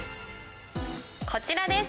こちらです。